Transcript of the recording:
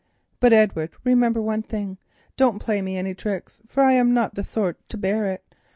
But, Edward, remember one thing. Don't play me any tricks, for I am not of the sort to bear it.